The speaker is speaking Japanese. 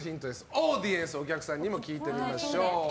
オーディエンスお客さんにも聞いてみましょう。